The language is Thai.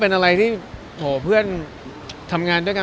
เป็นอะไรที่โหเพื่อนทำงานด้วยกัน